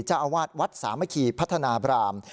เจ้าอาวาสวัดสามัคคีพัฒนาบราม